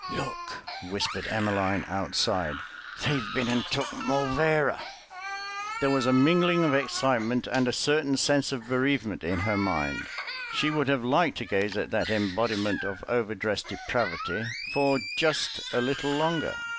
"Look!" whispered Emmeline outside; "they've bin and took Morlvera." There was a mingling of excitement and a certain sense of bereavement in her mind; she would have liked to gaze at that embodiment of overdressed depravity for just a little longer.